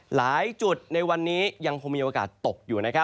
หลายจุดในวันนี้ยังคงมีโอกาสตกอยู่